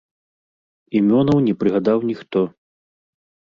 Імёнаў не прыгадаў ніхто.